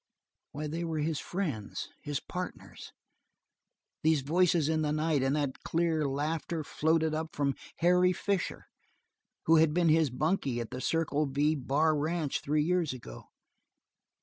Why, they were his friends, his partners, these voices in the night, and that clear laughter floated up from Harry Fisher who had been his bunkie at the Circle V Bar ranch three years ago.